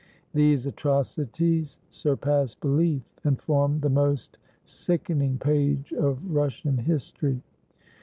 These atrocities surpass behef , and form the most sick ening page of Russian history.